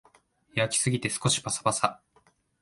焼きすぎて少しパサパサ